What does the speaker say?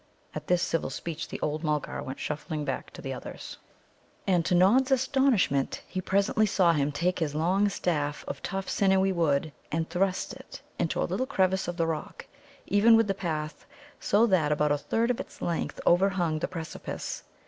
At this civil speech the old Mulgar went shuffling back to the others. And, to Nod's astonishment, he presently saw him take his long staff of tough, sinewy wood, and thrust it into a little crevice of the rock, even with the path, so that about a third of its length overhung the precipice.